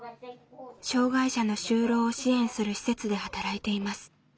障害者の就労を支援する施設で働いています。